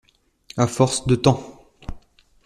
À force de temps.